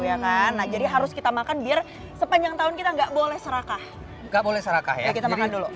ya nah jadi harus kita makan biar sepanjang tahun kita enggak boleh serakah gak boleh serakah ya